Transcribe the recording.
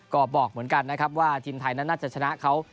ก็บอกเหมือนกันนะครับว่าทีมไทยนั้นน่าจะชนะเขา